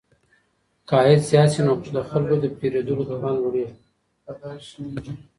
که عايد زيات سي نو د خلګو د پيرودلو توان لوړيږي.